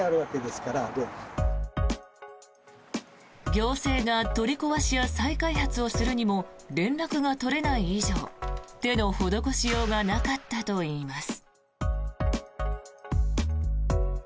行政が取り壊しや再開発をするにも連絡が取れない以上手の施しようがなかったといいます。